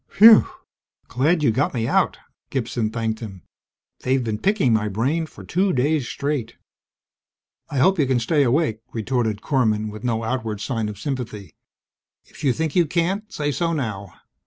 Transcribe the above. "Whew! Glad you got me out!" Gibson thanked him. "They've been picking my brain for two days straight!" "I hope you can stay awake," retorted Korman with no outward sign of sympathy. "If you think you can't, say so now.